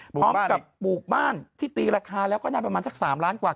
พร้อมกับบุกบ้านที่ตีราคาแล้วก็ได้ประมาณสักสามล้านกว่า